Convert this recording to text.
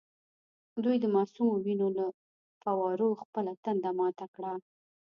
دوی د معصومو وینو له فووارو خپله تنده ماته کړه.